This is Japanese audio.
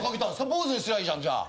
坊主にすりゃいいじゃんじゃあ。